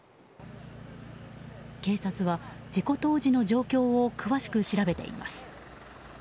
警察は事故当時の状況を詳しく調べています。